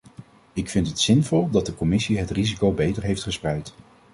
Ik vind het zinvol dat de commissie het risico beter heeft gespreid.